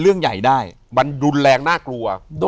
อยู่ที่แม่ศรีวิรัยิลครับ